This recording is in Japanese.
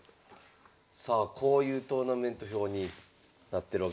さあこういうトーナメント表になってるわけですね。